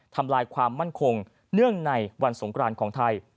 ทำลายความมั่นคงเนื่องในวันสงกรานของไทย